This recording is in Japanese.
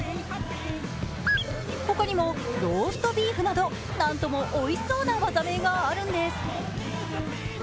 ほかにもローストビーフなど何ともおいしそうな技名があるんです。